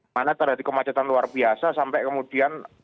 mana terjadi kemacetan luar biasa sampai kemudian